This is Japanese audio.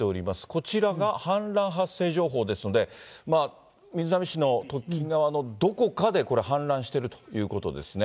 こちらが氾濫発生情報ですので、瑞浪市の土岐川のどこかでこれ、氾濫してるということですね。